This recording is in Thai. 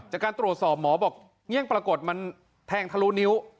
จากการตรวจสอบหมอบอกเงี่ยงปรากฏมันแทงทะลุนิ้ว